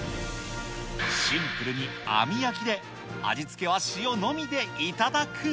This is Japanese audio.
シンプルに網焼きで、味付けは塩のみで頂く。